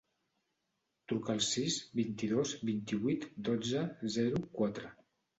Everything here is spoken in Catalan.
Truca al sis, vint-i-dos, vint-i-vuit, dotze, zero, quatre.